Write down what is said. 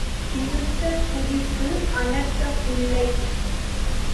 இறுத்த குடிக்கு அனர்த்தம் இல்லை.